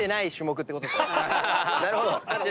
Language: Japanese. なるほど。